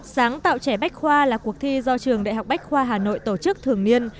sáng tạo trẻ bách khoa là cuộc thi do trường đại học bách khoa hà nội tổ chức thường niên